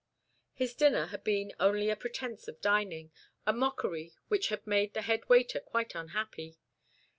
His dinner had been only a pretence of dining, a mockery which had made the head waiter quite unhappy.